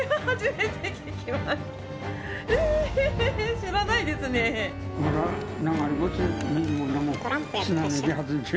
知らないですねえ。